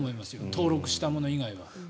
登録したもの以外は。